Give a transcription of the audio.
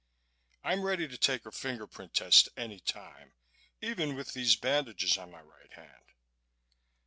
I'm ready to take a finger print test any time, even with these bandages on my right hand."